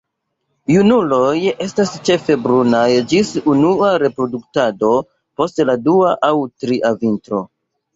Junuloj estas ĉefe brunaj ĝis unua reproduktado post la dua aŭ tria vintro.